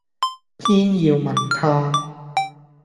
偏要問他。